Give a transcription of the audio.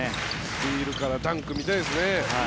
スチールからダンク見たいですね。